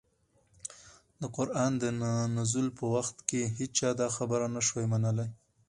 د قرآن د نزول په وخت كي هيچا دا خبره نه شوى منلى